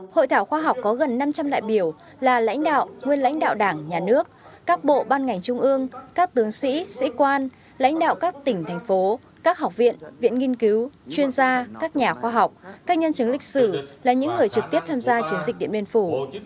hội thảo khoa học có gần năm trăm linh đại biểu là lãnh đạo nguyên lãnh đạo đảng nhà nước các bộ ban ngành trung ương các tướng sĩ sĩ quan lãnh đạo các tỉnh thành phố các học viện viện nghiên cứu chuyên gia các nhà khoa học các nhân chứng lịch sử là những người trực tiếp tham gia chiến dịch điện biên phủ